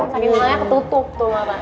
kan di rumahnya ketutup tuh apaan